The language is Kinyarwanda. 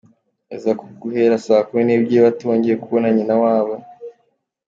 eza ko guhera saa kumi n’ebyiri batongeye kubona nyina wabo.